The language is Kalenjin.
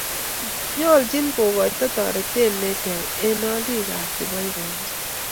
Nyoljin kogoito toretet ne ter eng olik ak koboibochi